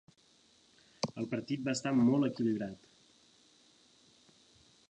El partit va estar molt equilibrat.